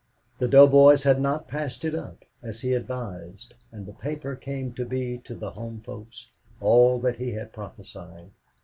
The doughboys had not passed it up, as he advised, and the paper came to be to the home folks all that he had prophesied.